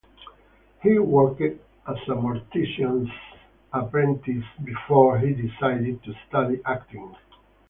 He worked as a mortician's apprentice before he decided to study acting.